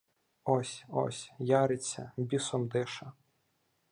Ось! ось! яриться, бісом дише!